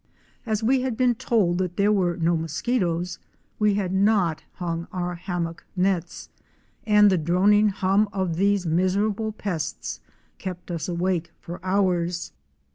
As we had been told that there were no mosquitoes, we had not hung our hammock nets, and the droning hum of these miserable pests kept us awake for hours.